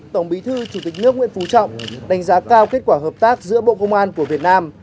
tổng bí thư chủ tịch nước nguyễn phú trọng đánh giá cao kết quả hợp tác giữa bộ công an của việt nam